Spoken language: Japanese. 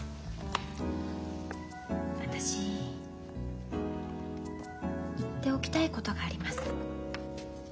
私言っておきたいことがあります。